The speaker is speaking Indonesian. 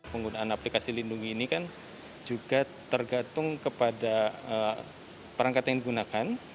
penggunaan aplikasi lindungi ini kan juga tergantung kepada perangkat yang digunakan